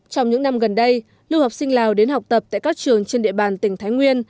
trong những năm gần đây lưu học sinh lào đến học tập tại các trường trên địa bàn tỉnh thái nguyên